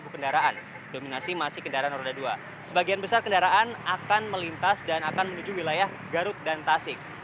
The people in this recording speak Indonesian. kedua kemungkinan besar kendaraan akan melintas dan akan menuju wilayah garut dan tasik